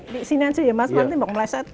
di sini aja ya mas panti mau meleset